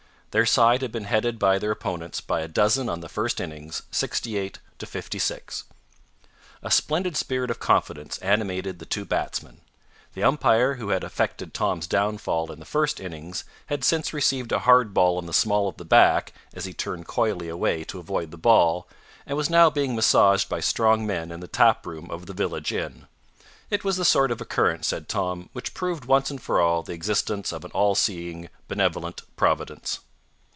Their side had been headed by their opponents by a dozen on the first innings 68 to 56. A splendid spirit of confidence animated the two batsmen. The umpire who had effected Tom's downfall in the first innings had since received a hard drive in the small of the back as he turned coyly away to avoid the ball, and was now being massaged by strong men in the taproom of the village inn. It was the sort of occurrence, said Tom, which proved once and for all the existence of an all seeing, benevolent Providence.